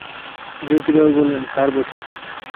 জ্যোতিবাবু বললেন, স্যার বসুন।